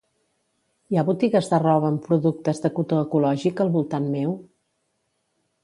Hi ha botigues de roba amb productes de cotó ecològic al voltant meu?